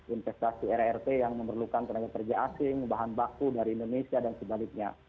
investasi rrt yang memerlukan tenaga kerja asing bahan baku dari indonesia dan sebaliknya